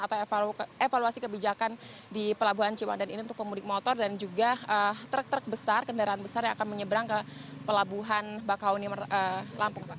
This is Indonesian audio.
atau evaluasi kebijakan di pelabuhan ciwandan ini untuk pemudik motor dan juga truk truk besar kendaraan besar yang akan menyeberang ke pelabuhan bakauni lampung pak